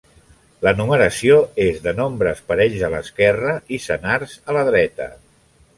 La numeració és de nombres parells a l'esquerra i senars a la dreta.